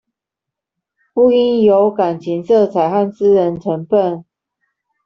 不應有感情色彩和私人成分